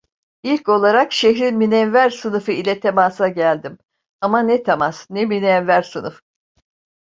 İlk olarak şehrin münevver sınıfı ile temasa geldim; ama ne temas, ne münevver sınıf!